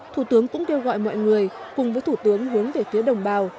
thủ tướng cũng kêu gọi mọi người cùng với thủ tướng hướng về phía đồng bào